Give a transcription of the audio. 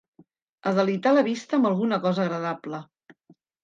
Adelitar la vista amb alguna cosa agradable.